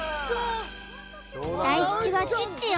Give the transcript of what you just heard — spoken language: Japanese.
大吉はチッチよ